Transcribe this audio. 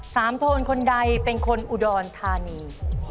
โทนคนใดเป็นคนอุดรธานี